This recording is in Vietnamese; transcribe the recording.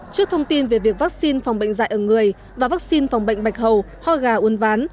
trước thông tin về việc vaccine phòng bệnh dạy ở người và vaccine phòng bệnh bạch hầu ho gà uốn ván